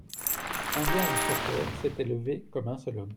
Indiens et chasseurs s'étaient levés comme un seul homme.